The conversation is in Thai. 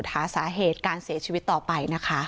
หาสาเหตุการเสียชีวิตต่อไปนะคะ